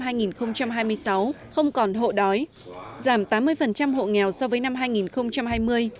năm hai nghìn hai mươi sáu không còn hộ đói giảm tám mươi hộ nghèo so với năm hai nghìn hai mươi